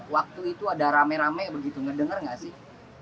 waktu itu ada rame rame begitu ngedengar nggak sih